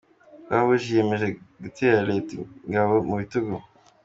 Croix Rouge yiyemeje gitera Leta ingabo mu bitugu.